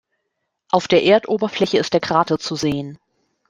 Auf der Erdoberfläche ist der Krater zu sehen.